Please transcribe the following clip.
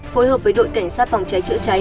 phối hợp với đội cảnh sát phòng cháy chữa cháy